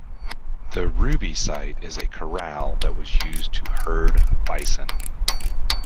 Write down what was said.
The Ruby site is a corral that was used to herd bison.